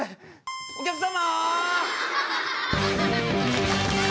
お客様！